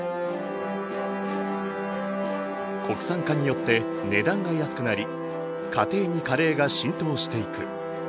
国産化によって値段が安くなり家庭にカレーが浸透していく。